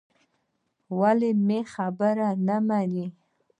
ولې مې خبره نه منې.